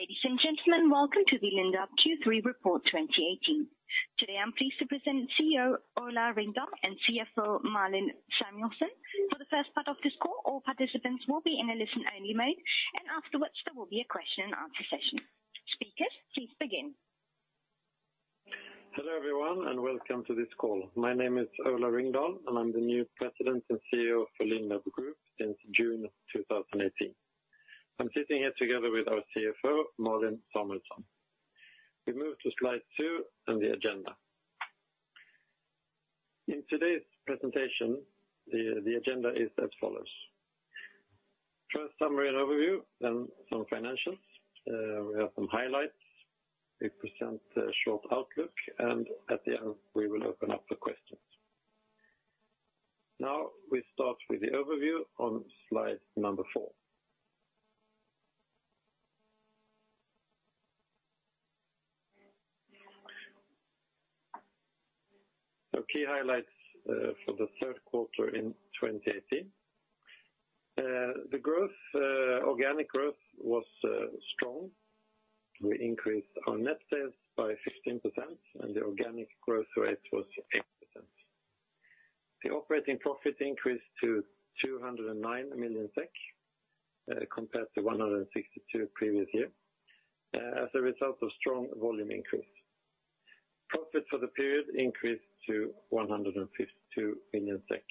Ladies and gentlemen, welcome to the Lindab Q3 Report 2018. Today, I'm pleased to present CEO Ola Ringdahl and CFO Malin Samuelsson. For the first part of this call, all participants will be in a listen-only mode, and afterwards there will be a question and answer session. Speakers, please begin. Hello, everyone, and welcome to this call. My name is Ola Ringdahl, and I'm the new President and CEO for Lindab Group since June 2018. I'm sitting here together with our CFO, Malin Samuelsson. We move to slide two on the agenda. In today's presentation, the agenda is as follows: first, summary and overview, then some financials. We have some highlights. We present a short outlook, and at the end, we will open up for questions. We start with the overview on slide number four. The key highlights for the third quarter in 2018. Organic growth was strong. We increased our net sales by 15%, and the organic growth rate was 8%. The operating profit increased to 209 million SEK compared to 162 previous year as a result of strong volume increase. Profit for the period increased to 152 million SEK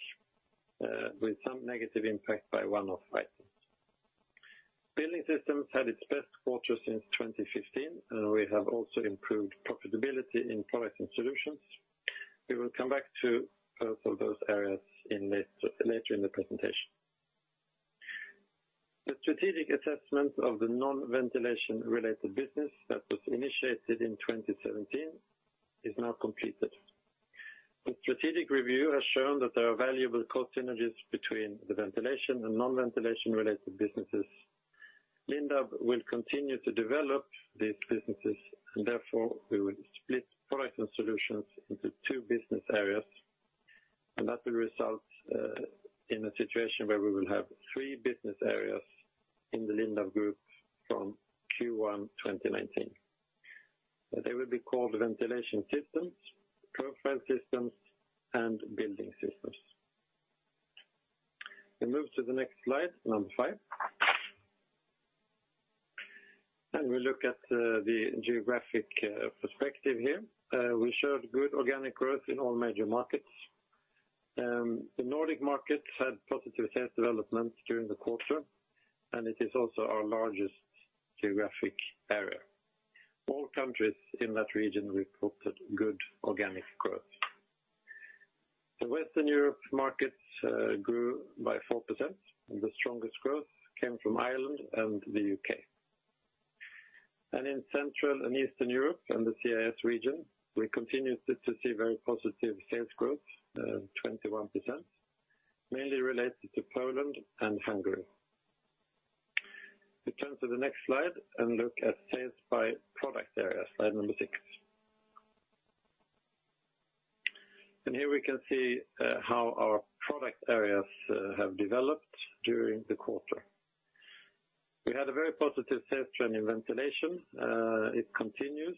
with some negative impact by one-off items. Building Systems had its best quarter since 2015, and we have also improved profitability in Products & Solutions. We will come back to both of those areas later in the presentation. The strategic assessment of the non-ventilation related business that was initiated in 2017 is now completed. The strategic review has shown that there are valuable cost synergies between the ventilation and non-ventilation related businesses. Lindab will continue to develop these businesses. Therefore, we will split Products & Solutions into two business areas. That will result in a situation where we will have three business areas in the Lindab Group from Q1 2019. They will be called Ventilation Systems, Profile Systems and Building Systems. We move to the next slide, number five. We look at the Geographic Perspective here. We showed good organic growth in all major markets. The Nordic markets had positive sales development during the quarter, and it is also our largest geographic area. All countries in that region reported good organic growth. The Western Europe markets grew by 4%, and the strongest growth came from Ireland and the U.K. In Central and Eastern Europe and the CIS region, we continued to see very positive sales growth, 21%, mainly related to Poland and Hungary. We turn to the next slide and look at sales by product area, slide number six. Here we can see how our product areas have developed during the quarter. We had a very positive sales trend in ventilation. It continues,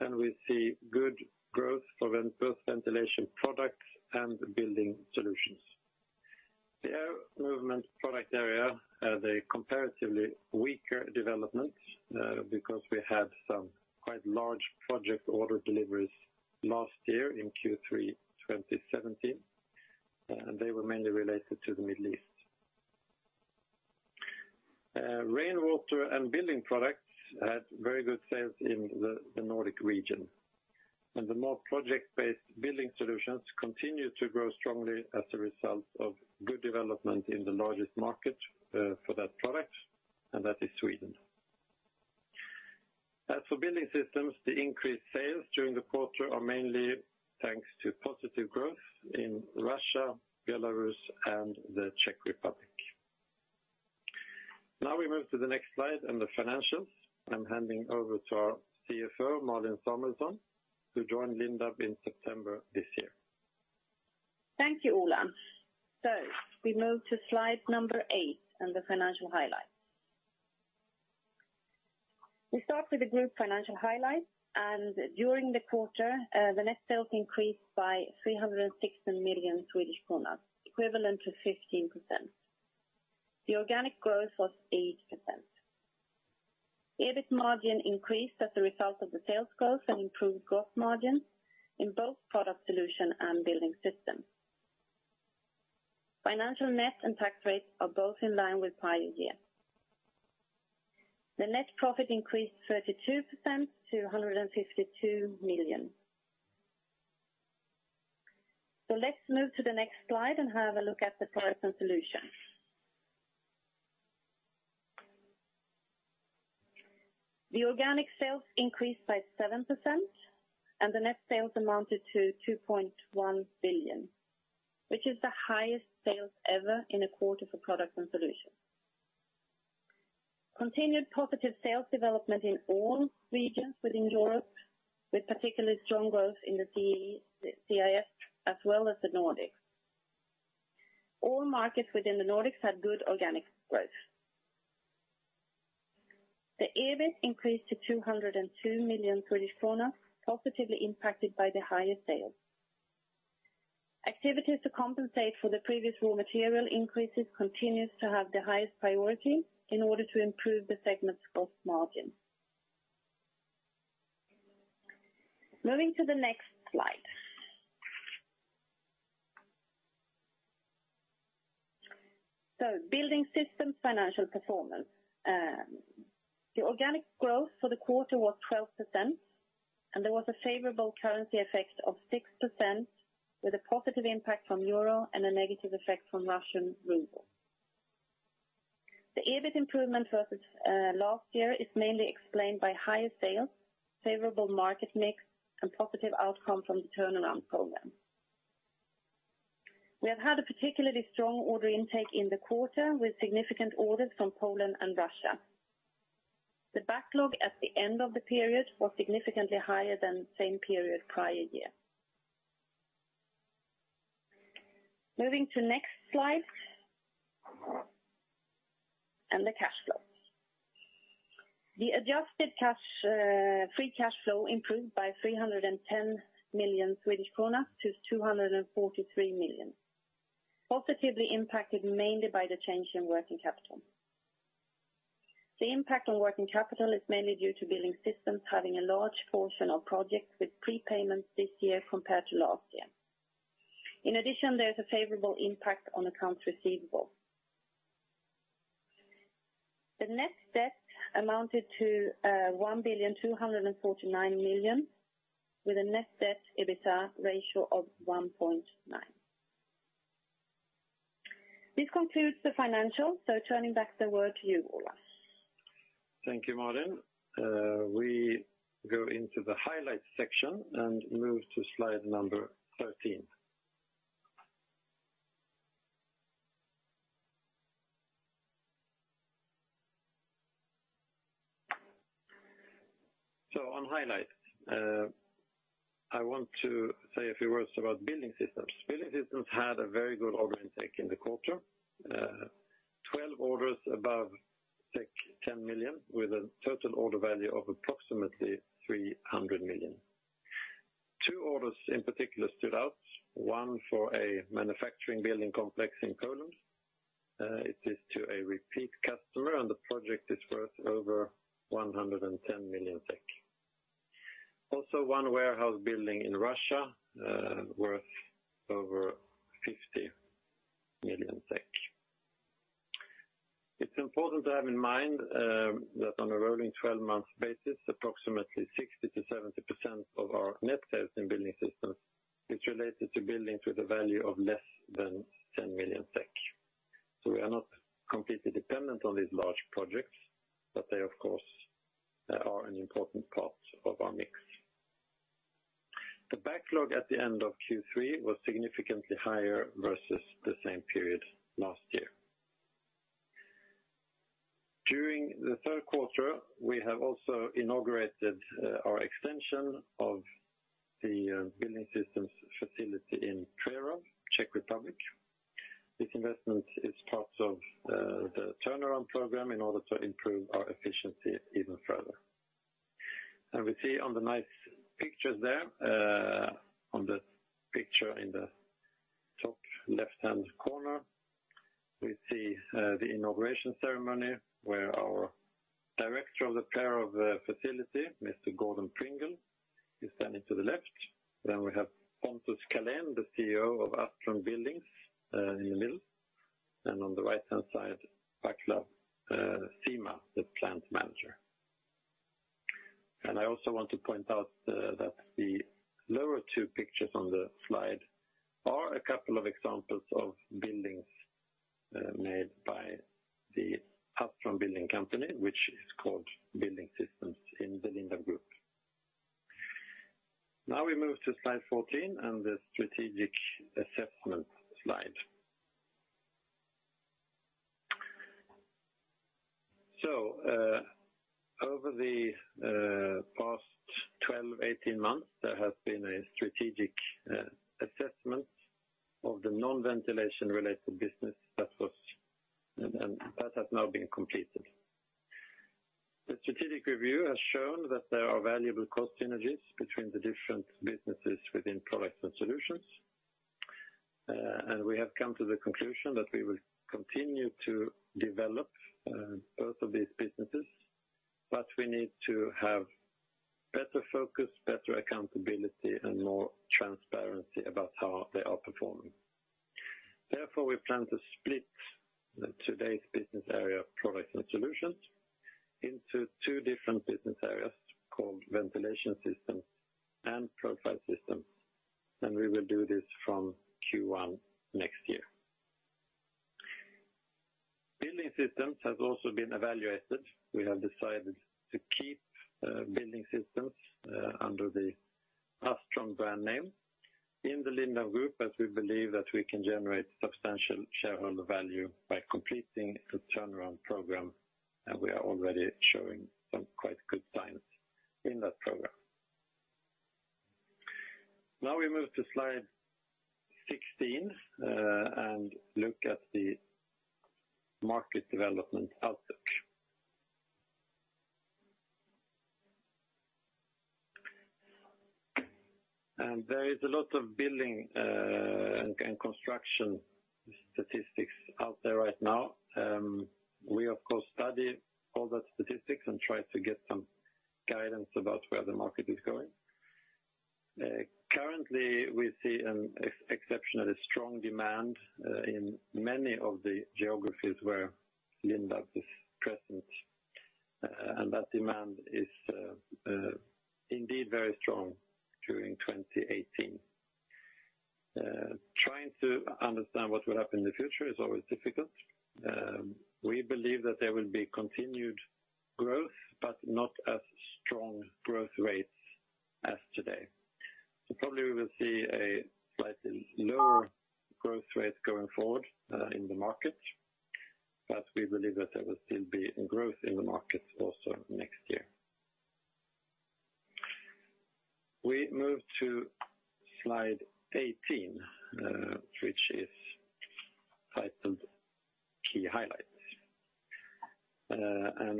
and we see good growth for both ventilation products and building solutions. The air movement product area had a comparatively weaker development because we had some quite large project order deliveries last year in Q3, 2017, and they were mainly related to the Middle East. Rainwater and building products had very good sales in the Nordic region. The more project-based building solutions continued to grow strongly as a result of good development in the largest market, for that product, and that is Sweden. As for Building Systems, the increased sales during the quarter are mainly thanks to positive growth in Russia, Belarus, and the Czech Republic. We move to the next slide and the financials. I'm handing over to our CFO, Malin Samuelsson, who joined Lindab in September this year. Thank you, Ola. We move to slide number eight and the Financial Highlights. We start with the Group Financial Highlights, and during the quarter, the Net sales increased by 316 million Swedish kronor, equivalent to 15%. The organic growth was 8%. EBIT margin increased as a result of the sales growth and improved growth margin in both Products & Solutions and Building Systems. Financial, Net, and Tax rates are both in line with prior year. The net profit increased 32% to 152 million. Let's move to the next slide and have a look at the Products & Solutions. The Organic Sales increased by 7%, and the Net sales amounted to 2.1 billion, which is the highest sales ever in a quarter for Products & Solutions. Continued positive sales development in all regions within Europe, with particularly strong growth in the CEE, the CIS, as well as the Nordics. All markets within the Nordics had good organic growth. The EBIT increased to 202 million Swedish kronor, positively impacted by the higher sales. Activities to compensate for the previous raw material increases continues to have the highest priority in order to improve the segment's cost margin. Moving to the next slide. Building Systems financial performance. The organic growth for the quarter was 12%, and there was a favorable currency effect of 6%, with a positive impact from Euro and a negative effect from Russian ruble. The EBIT improvement versus last year is mainly explained by higher sales, favorable market mix, and positive outcome from the turnaround program. We have had a particularly strong order intake in the quarter, with significant orders from Poland and Russia. The backlog at the end of the period was significantly higher than the same period prior year. Moving to next slide, the cash flow. The Adjusted cash free cash flow improved by 310 million Swedish krona to 243 million, positively impacted mainly by the change in working capital. The impact on working capital is mainly due to Building Systems having a large portion of projects with prepayments this year compared to last year. In addition, there's a favorable impact on accounts receivable. The net debt amounted to 1,249 million, with a net debt EBITDA ratio of 1.9. This concludes the financials, turning back the word to you, Ola. Thank you, Malin. We go into the highlights section and move to slide number 13. On highlights, I want to say a few words about Building Systems. Building Systems had a very good order intake in the quarter, 12 orders above 10 million, with a total order value of approximately 300 million. Two orders in particular stood out, one for a manufacturing building complex in Poland. It is to a repeat customer, and the project is worth over 110 million. One Warehouse building in Russia, worth over 50 million SEK. It's important to have in mind that on a rolling 12-month basis, approximately 60%-70% of our net sales in Building Systems is related to buildings with a value of less than 10 million SEK. We are not completely dependent on these large projects, but they of course, are an important part of our mix. The backlog at the end of Q3 was significantly higher versus the same period last year. During the third quarter, we have also inaugurated our extension of the Building Systems facility in Prerov, Czech Republic. This investment is part of the turnaround program in order to improve our efficiency even further. We see on the nice pictures there, on the picture in the top left-hand corner, we see the inauguration ceremony, where our director of the Prerov facility, Mr. Gordon Pringle, is standing to the left. We have Pontus Källén, the CEO of Astron Buildings, in the middle, and on the right-hand side, Václav Šíma, the Plant Manager. I also want to point out that the lower two pictures on the slide are a couple of examples of buildings made by the Astron Buildings company, which is called Building Systems in the Lindab Group. We move to slide 14 and the strategic assessment slide. Over the past 12, 18 months, there has been a strategic assessment of the non-ventilation related business that has now been completed. The strategic review has shown that there are valuable cost synergies between the different businesses within Products & Solutions. We have come to the conclusion that we will continue to develop both of these businesses, but we need to have better focus, better accountability, and more transparency about how they are performing. Therefore, we plan to split today's business area, Products & Solutions, into two different business areas called Ventilation Systems and Profile Systems. We will do this from Q1 next year. Building Systems has also been evaluated. We have decided to keep Building Systems under the Astron brand name in the Lindab Group, as we believe that we can generate substantial shareholder value by completing the turnaround program, and we are already showing some quite good signs in that program. Now we move to slide 16 and look at the market development outlook. There is a lot of building and construction statistics out there right now. We, of course, study all the statistics and try to get some guidance about where the market is going. Currently, we see an exceptionally strong demand in many of the geographies where Lindab is present, and that demand is indeed very strong during 2018. Trying to understand what will happen in the future is always difficult. We believe that there will be continued growth, but not as strong growth rates as today. Probably we will see a slightly lower growth rate going forward in the market, but we believe that there will still be growth in the market also next year. We move to slide 18, which is titled Key Highlights.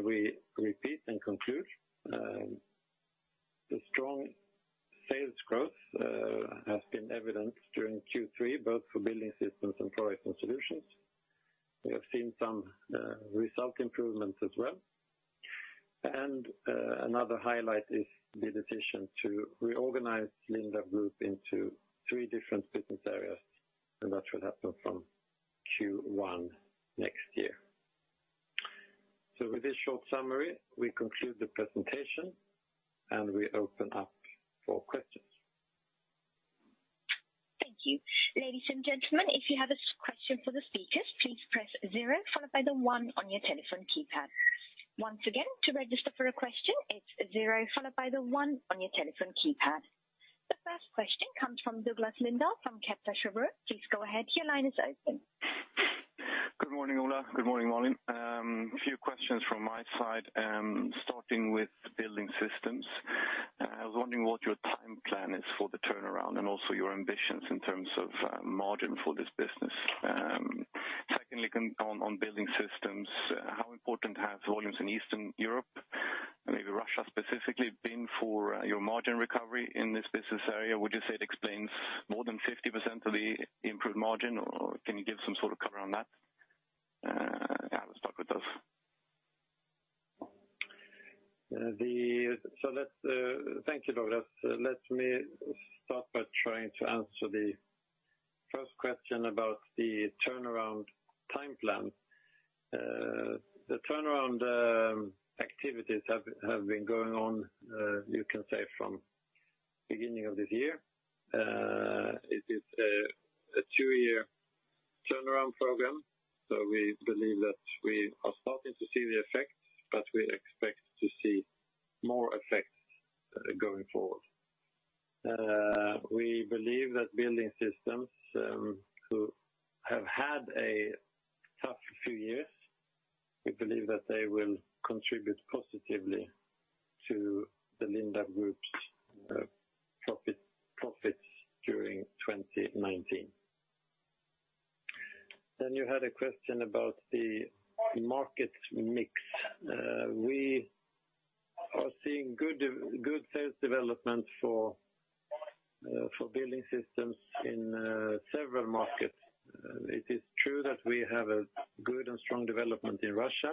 We repeat and conclude, the strong sales growth has been evidenced during Q3, both for Building Systems and Flooring Solutions. We have seen some result improvements as well. Another highlight is the decision to reorganize Lindab Group into three different business areas, and that should happen from Q1 next year. With this short summary, we conclude the presentation, and we open up for questions. Thank you. Ladies and gentlemen, if you have a question for the speakers, please press zero followed by the one on your telephone keypad. Once again, to register for a question, it's zero followed by the one on your telephone keypad. The first question comes from Douglas Lindahl, from Kepler Cheuvreux. Please go ahead. Your line is open. Good morning, Ola. Good morning, Malin. A few questions from my side, starting with Building Systems. I was wondering what your time plan is for the turnaround and also your ambitions in terms of margin for this business. Secondly, on Building Systems, how important have volumes in Eastern Europe, and maybe Russia specifically, been for your margin recovery in this business area? Would you say it explains more than 50% of the improved margin, or can you give some sort of cover on that? Let's start with those. Thank you, Douglas. Let me start by trying to answer the first question about the turnaround time plan. The turnaround activities have been going on, you can say, from beginning of this year. It is a two-year turnaround program, we believe that we are starting to see the effects, but we expect to see more effects going forward. We believe that Building Systems, who have had a tough few years, we believe that they will contribute positively to the Lindab Group's profits during 2019. You had a question about the market mix. We are seeing good sales development for Building Systems in several markets. It is true that we have a good and strong development in Russia,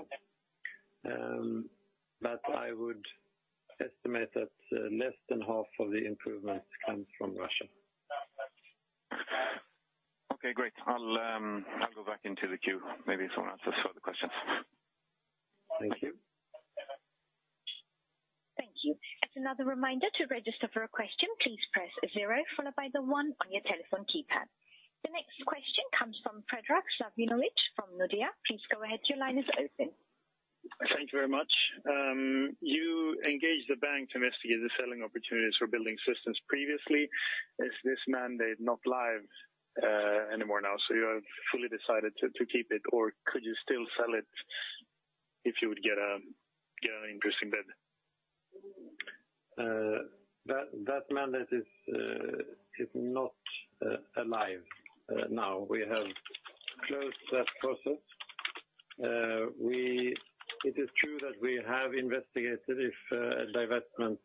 but I would estimate that less than half of the improvement comes from Russia. Okay, great. I'll go back into the queue. Maybe someone else has further questions. Thank you. Thank you. As another reminder, to register for a question, please press zero followed by the one on your telephone keypad. The next question comes from Fredrik Svanström from Nordea. Please go ahead. Your line is open. Thank you very much. You engaged the bank to investigate the selling opportunities for Building Systems previously. Is this mandate not live anymore now, so you have fully decided to keep it, or could you still sell it if you would get an interesting bid? That, that mandate is not alive now. We have closed that process. It is true that we have investigated if divestment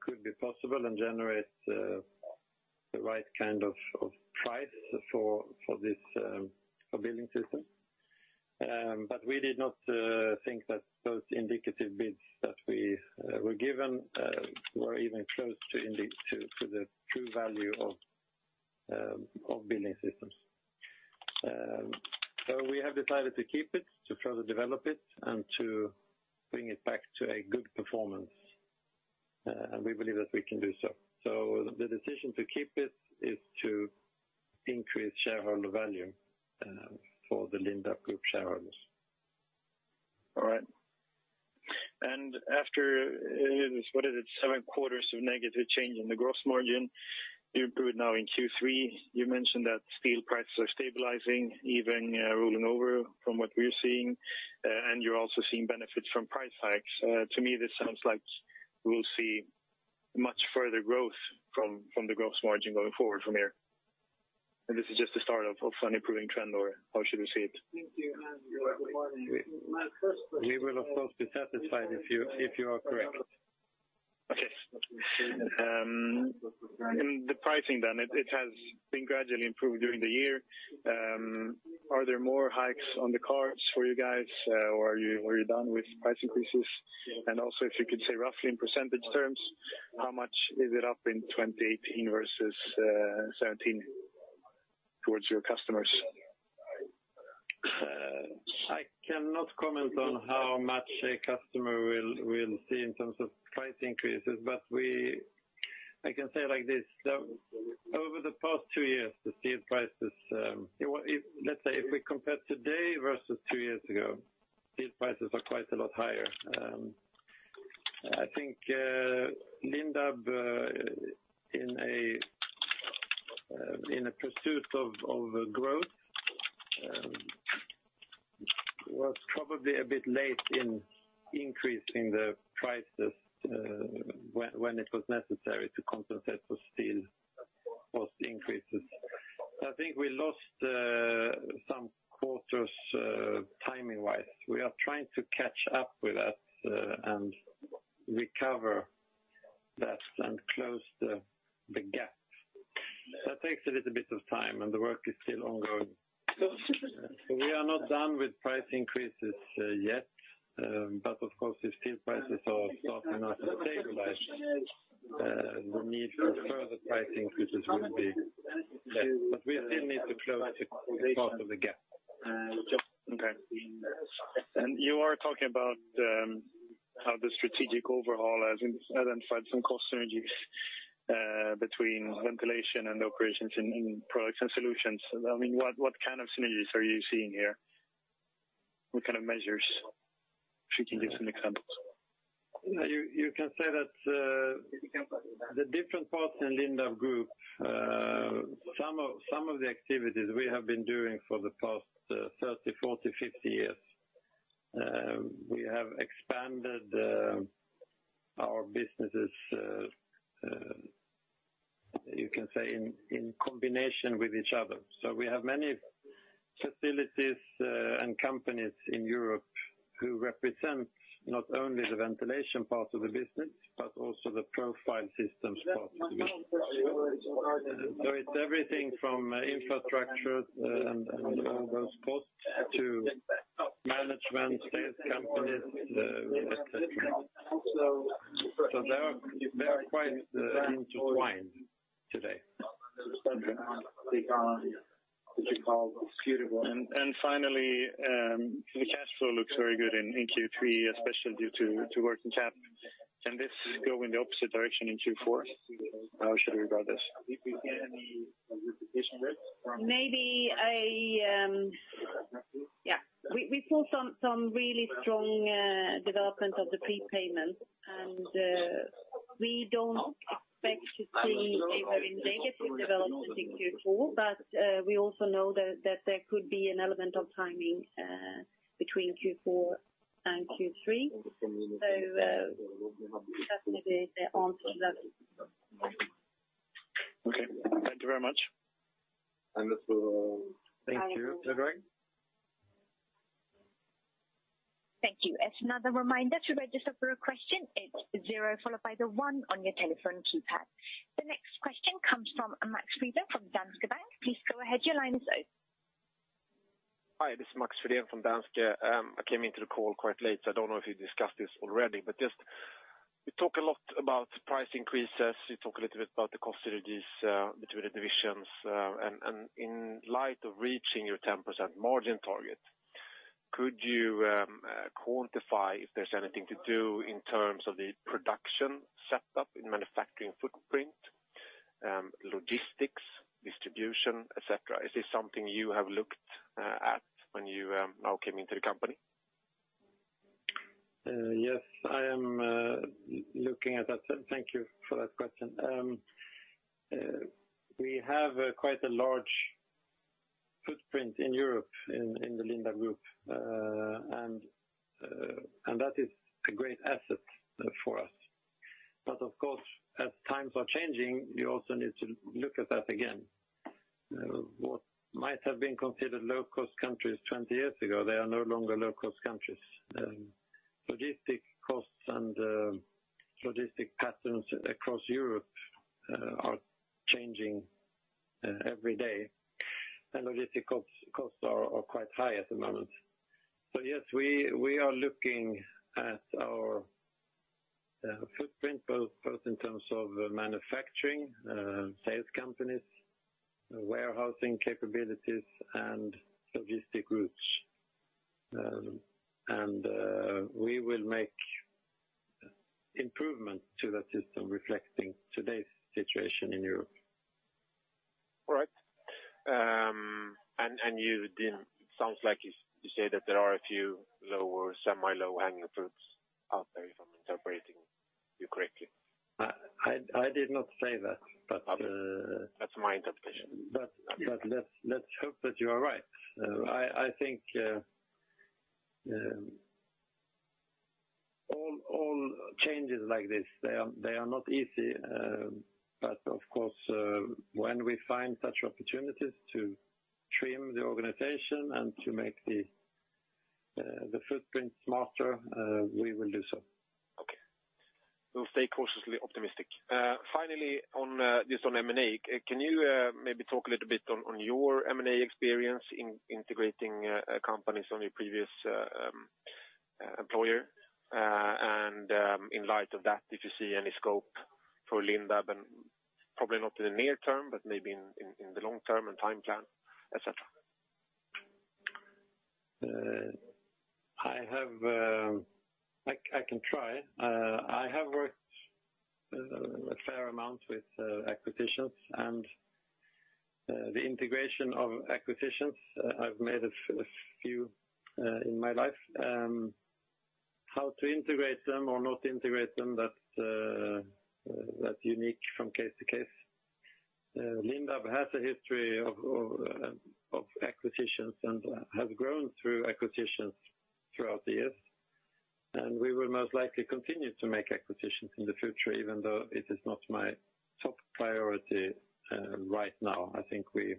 could be possible and generate the right kind of price for this for Building Systems. We did not think that those indicative bids that we were given were even close to the true value of Building Systems. We have decided to keep it, to further develop it, and to bring it back to a good performance, and we believe that we can do so. The decision to keep it is to increase shareholder value for the Lindab Group shareholders. All right. After what is it? Seven quarters of negative change in the Gross Margin. You're good now in Q3, you mentioned that steel prices are stabilizing, even rolling over from what we're seeing, and you're also seeing benefits from price hikes. To me, this sounds like we'll see much further growth from the gross margin going forward from here. This is just the start of an improving trend, or how should we see it? We will, of course, be satisfied if you, if you are correct. Okay. The pricing then, it has been gradually improved during the year. Are there more hikes on the cards for you guys? Or are you done with price increases? Also, if you could say roughly in % terms, how much is it up in 2018 versus 2017 towards your customers? I cannot comment on how much a customer will see in terms of price increases, but I can say it like this, over the past two years, the steel prices, if we compare today versus two years ago, steel prices are quite a lot higher. I think Lindab in a pursuit of growth was probably a bit late in increasing the prices when it was necessary to compensate for steel cost increases. I think we lost some quarters timing-wise. We are trying to catch up with that and recover that and close the gap. That takes a little bit of time, and the work is still ongoing. We are not done with price increases, yet, but of course, if steel prices are starting to stabilize, the need for further price increases will be less. We still need to close part of the gap. Okay. You are talking about how the strategic overhaul has identified some cost synergies between Ventilation and operations in Products & Solutions. I mean, what kind of synergies are you seeing here? What kind of measures should we give some examples? You can say that the different parts in Lindab Group, some of the activities we have been doing for the past 30, 40, 50 years, we have expanded our businesses, you can say, in combination with each other. We have many facilities and companies in Europe who represent not only the Ventilation Systems part of the business, but also the Profile Systems part of the business. It's everything from infrastructure and all those costs to management sales companies, et cetera. They are quite intertwined today. Finally, the cash flow looks very good in Q3, especially due to working cap. Can this go in the opposite direction in Q4? How should we regard this? Yeah, we saw some really strong development of the prepayment, we don't expect to see a very negative development in Q4. We also know that there could be an element of timing between Q4 and Q3. That may be the answer to that. Okay. Thank you very much. Thank you. Thank you. As another reminder, to register for a question, it's zero followed by the one on your telephone keypad. The next question comes from Max Bahrke from Danske Bank. Please go ahead. Your line is open. Hi, this is Max Bahrke from Danske. I came into the call quite late, so I don't know if you discussed this already. Just, you talk a lot about price increases, you talk a little bit about the cost synergies, between the divisions. In light of reaching your 10% margin target, could you quantify if there's anything to do in terms of the production setup in Manufacturing Footprint, Logistics, Distribution, et cetera? Is this something you have looked at when you now came into the company? Yes, I am looking at that. Thank you for that question. We have quite a large footprint in Europe, in the Lindab Group. And that is a great asset for us. Of course, as times are changing, you also need to look at that again. What might have been considered low-cost countries 20 years ago, they are no longer low-cost countries. Logistic costs and Logistic patterns across Europe are changing every day. Logistic costs are quite high at the moment. Yes, we are looking at our footprint, both in terms of Manufacturing, Sales Companies, Warehousing capabilities, and Logistic routes. We will make improvements to that system reflecting today's situation in Europe. All right. Sounds like you say that there are a few lower, semi-low hanging fruits out there, if I'm interpreting you correctly. I did not say that, but, That's my interpretation. Let's hope that you are right. I think all changes like this, they are not easy. Of course, when we find such opportunities to trim the organization and to make the footprint smarter, we will do so. Okay. We'll stay cautiously optimistic. Finally, on just on M&A, can you maybe talk a little bit on your M&A experience in integrating companies on your previous employer? In light of that, if you see any scope for Lindab, and probably not in the near term, but maybe in the long term and time plan, et cetera? I can try. I have worked a fair amount with acquisitions and the integration of acquisitions. I've made a few in my life. How to integrate them or not integrate them, that's unique from case to case. Lindab has a history of acquisitions and has grown through acquisitions throughout the years, and we will most likely continue to make acquisitions in the future, even though it is not my top priority right now. I think we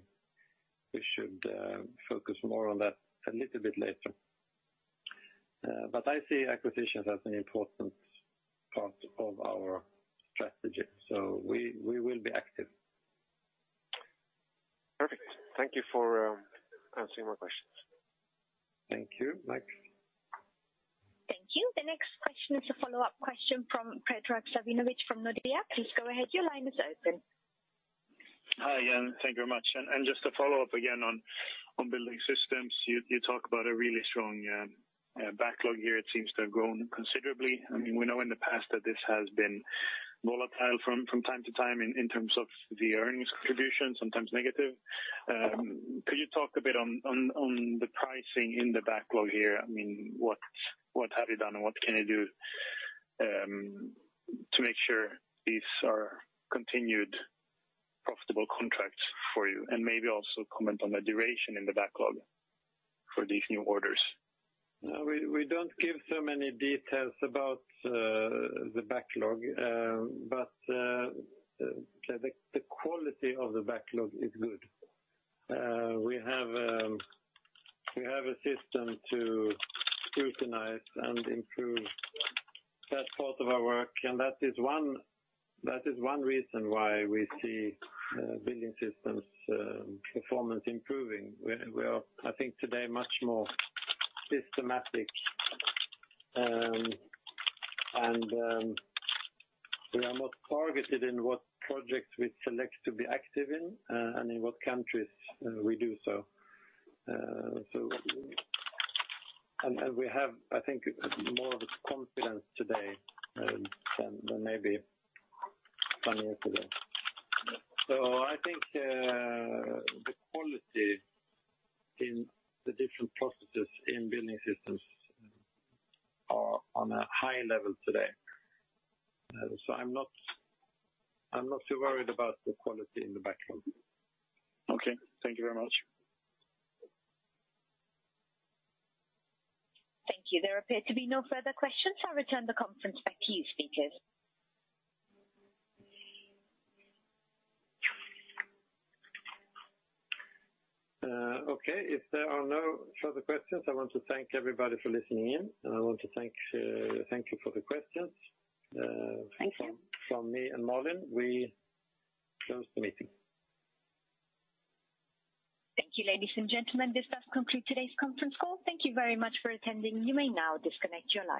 should focus more on that a little bit later. I see acquisitions as an important part of our strategy, so we will be active. Perfect. Thank you for answering my questions. Thank you, Max. Thank you. The next question is a follow-up question from Fredrik Svanström from Nordea. Please go ahead. Your line is open. Hi, and thank you very much. Just to follow up again on Building Systems, you talk about a really strong backlog here. It seems to have grown considerably. I mean, we know in the past that this has been volatile from time to time in terms of the earnings contribution, sometimes negative. Could you talk a bit on the pricing in the backlog here? I mean, what have you done and what can you do to make sure these are continued profitable contracts for you? Maybe also comment on the duration in the backlog for these new orders. We don't give so many details about the backlog. The quality of the backlog is good. We have a system to scrutinize and improve that part of our work. That is 1 reason why we see Building Systems performance improving. We are, I think, today, much more systematic, and we are more targeted in what projects we select to be active in, and in what countries we do so. We have, I think, more of a confidence today, than maybe 1 year ago. I think, the quality in the different processes in Building Systems are on a high level today. I'm not too worried about the quality in the backlog. Okay. Thank you very much. Thank you. There appear to be no further questions. I'll return the conference back to you, speakers. okay. If there are no further questions, I want to thank everybody for listening in, and I want to thank you for the questions. Thank you. From me and Malin, we close the meeting. Thank you, ladies and gentlemen, this does conclude today's conference call. Thank you very much for attending. You may now disconnect your lines.